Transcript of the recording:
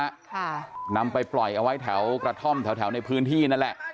ค่ะนำไปปล่อยเอาไว้แถวกระท่อมแถวแถวในพื้นที่นั่นแหละ